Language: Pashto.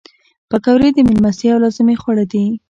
پکورې د میلمستیا یو لازمي خواړه دي